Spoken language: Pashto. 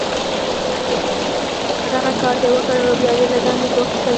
که دغه کار دې وکړ، نو بیا دې له دندې گوښه کوي